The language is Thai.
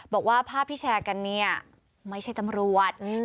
บอกว่าภาพที่แชร์กันเนี่ยไม่ใช่ตำรวจ